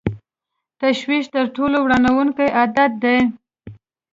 تشویش تر ټولو ورانوونکی عادت دی.